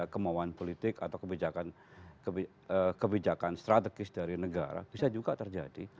kemauan politik atau kebijakan strategis dari negara bisa juga terjadi